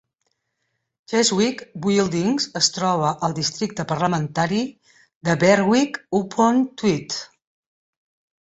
Cheswick Buildings es troba al districte parlamentari de Berwick-upon-Tweed.